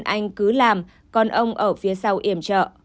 anh cứ làm còn ông ở phía sau iểm trợ